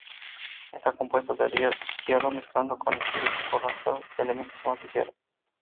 Está compuesto de hierro mezclado con níquel y pocos rastros de elementos más ligeros.